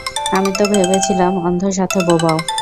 আমি তো ভেবেছিলাম অন্ধ সাথে বোবাও।